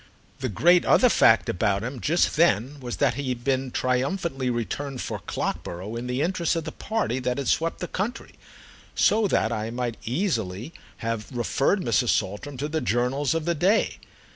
The great other fact about him just then was that he had been triumphantly returned for Clockborough in the interest of the party that had swept the country—so that I might easily have referred Mrs. Saltram to the journals of the day.